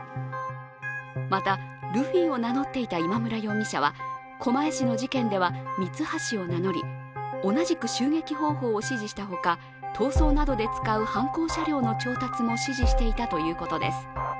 また、ルフィを名乗っていた今村容疑者は狛江市の事件ではミツハシを名乗り同じく襲撃方法を指示したほか、逃走などで使う犯行車両の調達も指示していたということです。